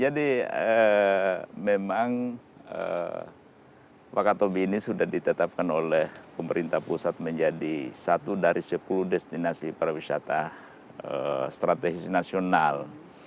jadi memang wakatopi ini sudah ditetapkan oleh pemerintah pusat menjadi satu dari sepuluh destinasi pariwisata strategis nasional